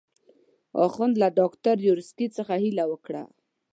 اخند له ډاکټر یاورسکي څخه هیله وکړه.